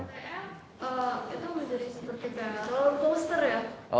ptn itu menjadi seperti kayak rollercoaster ya